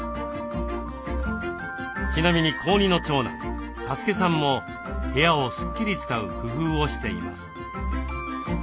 ちなみに高２の長男颯恭さんも部屋をスッキリ使う工夫をしています。